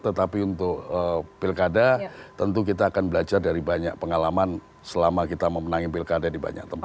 tetapi untuk pilkada tentu kita akan belajar dari banyak pengalaman selama kita memenangi pilkada di banyak tempat